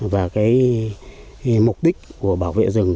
và mục đích của bảo vệ rừng